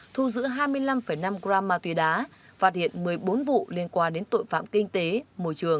thu giữ hai mươi năm năm gram ma túy đá phát hiện một mươi bốn vụ liên quan đến tội phạm kinh tế môi trường